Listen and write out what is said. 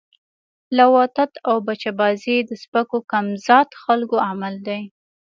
لواطت او بچه بازی د سپکو کم ذات خلکو عمل ده